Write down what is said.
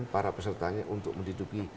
para pesertanya untuk menduduki